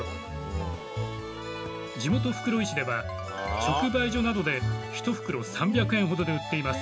地元袋井市では直売所などで１袋３００円ほどで売っています。